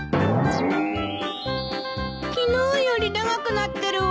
昨日より長くなってるわ。